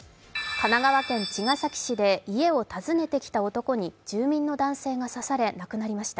神奈川県茅ヶ崎市で家を訪ねてきた男に住民の男性が刺され亡くなりました。